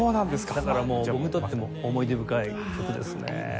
だからもう僕にとっても思い出深い曲ですねえ。